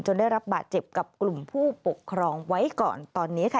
ได้รับบาดเจ็บกับกลุ่มผู้ปกครองไว้ก่อนตอนนี้ค่ะ